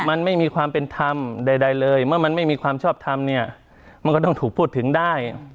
มันไม่มีความเป็นธรรมใดเลยเมื่อมันไม่มีความชอบทำเนี่ยมันก็ต้องถูกพูดถึงได้